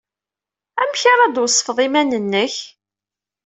Amek ara d-tweṣfeḍ iman-nnek?